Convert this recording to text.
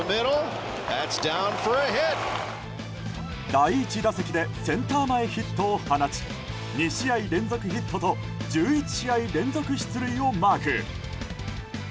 第１打席でセンター前ヒットを放ち２試合連続ヒットと１１試合連続出塁をマーク。